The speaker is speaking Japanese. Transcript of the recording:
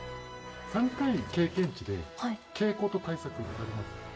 ３回の経験値で、傾向と対策ってあります？